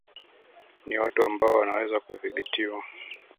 ni watu ambao wanaweza kudhibitiwa